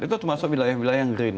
itu termasuk wilayah wilayah yang green